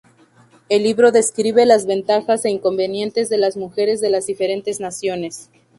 El libro describe las ventajas e inconvenientes de las mujeres de las diferentes naciones.